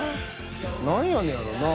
何やねんやろなあ。